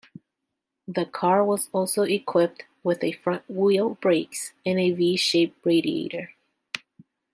The car was also equipped with front-wheel brakes and a V-shaped radiator.